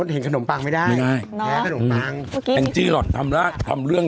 เห็นขนมปังไม่ได้ไม่ได้แพ้ขนมปังแองจี้หล่อนทำเรื่อง